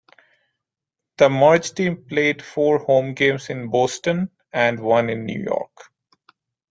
The merged team played four home games in Boston and one in New York.